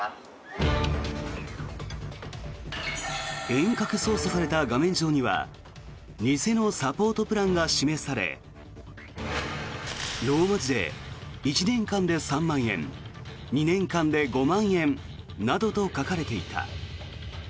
遠隔操作された画面上には偽のサポートプランが示されローマ字で「１年間で３万円」「２年間で５万円」などと書かれていた。